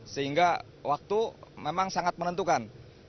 sehingga waktu memang sangat menentukan